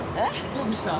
どうでした？